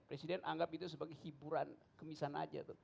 presiden anggap itu sebagai hiburan kemisahan saja